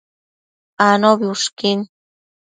Anobi ushquin